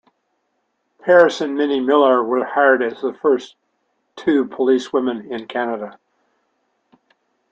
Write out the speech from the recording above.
Harris and Minnie Miller were hired as the first two policewomen in Canada.